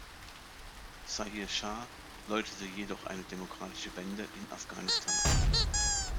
Zahir Schah läutete jedoch eine demokratische Wende in Afghanistan ein.